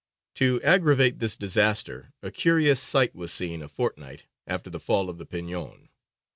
To aggravate this disaster, a curious sight was seen a fortnight after the fall of the Peñon.